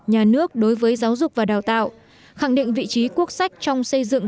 nhà nước đối với giáo dục và đào tạo khẳng định vị trí quốc sách trong xây dựng